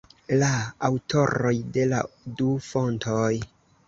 La aŭtoroj de la du fontoj.